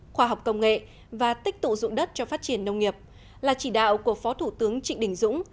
khoa học công nghệ và tích tụ dụng đất cho phát triển nông nghiệp là chỉ đạo của phó thủ tướng trịnh đình dũng